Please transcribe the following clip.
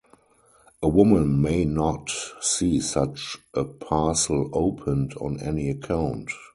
A woman may not see such a parcel opened on any account.